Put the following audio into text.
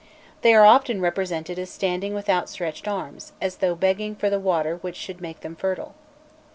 They are often represented as standing with outstretched arms, as though begging for the water which should make them fertile.